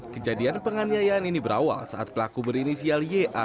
kejadian penganiayaan ini berawal saat pelaku berinisial ya